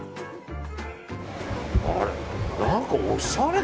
あれ？